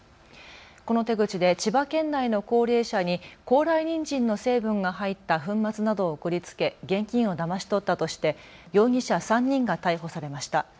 この手口で千葉県内の高齢者に高麗にんじんの成分が入った粉末などを送りつけ現金をだまし取ったとして容疑者３人が逮捕されました。